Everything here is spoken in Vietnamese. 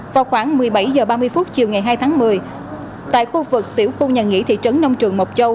vào khoảng một mươi bảy h ba mươi chiều ngày hai tháng một mươi tại khu vực tiểu khu nhà nghỉ thị trấn nông trường mộc châu